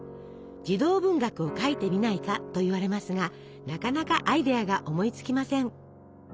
「児童文学を書いてみないか」と言われますがなかなかアイデアが思いつきません。